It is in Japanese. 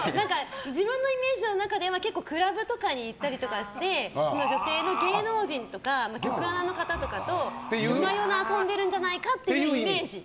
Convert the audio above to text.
自分のイメージの中では結構、クラブとかに行ったりとかして女性の芸能人とか局アナの方とかと夜な夜な遊んでいるんじゃないかというイメージ。